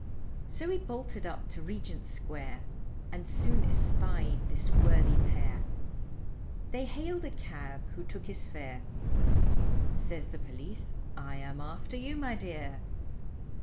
So he bolted up to Regent Square, And soon espied this worthy pair, They hailed a cab, who took his fare, Says the police, I am after you my dear.